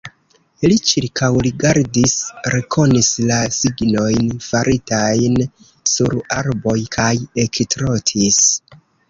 Li ĉirkaŭrigardis, rekonis la signojn, faritajn sur arboj kaj ektrotis.